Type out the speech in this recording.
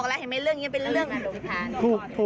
ก็บอกว่าเห็นไหมเรื่องนี้เป็นเรื่องโรคพิพันธ์